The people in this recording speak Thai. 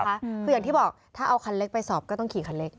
คืออย่างที่บอกถ้าเอาคันเล็กไปสอบก็ต้องขี่คันเล็ก